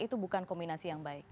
itu bukan kombinasi yang baik